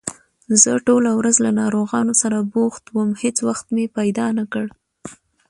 زه ټوله ورځ له ناروغانو سره بوخت وم، هېڅ وخت مې پیدا نکړ